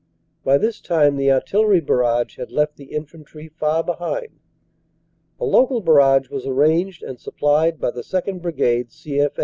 By this time the artillery barrage had left the infantry far behind. A local barrage was arranged and supplied by the 2nd. Brigade, C.F.